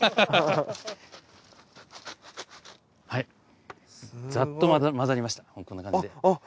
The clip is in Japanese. はい。